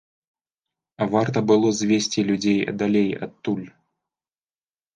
Варта было звесці людзей далей адтуль.